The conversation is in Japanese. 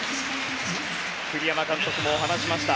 栗山監督も話しました。